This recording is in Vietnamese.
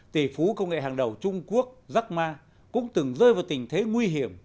tỷ phú công nghệ hàng đầu trung quốc jack ma cũng từng rơi vào tình thế nguy hiểm